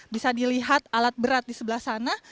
bisa dilihat alat berat di sebelah sana